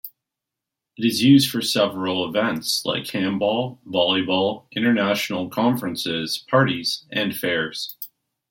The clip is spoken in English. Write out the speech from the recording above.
It is used for several events, like handball, volleyball, international conferences, parties and fairs.